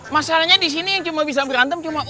masalahnya disini yang cuma bisa berantem cuma uya